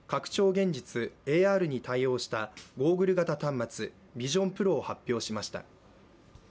現実＝ＡＲに対応したゴーグル型端末、ＶｉｓｉｏｎＰｒｏを発表しました。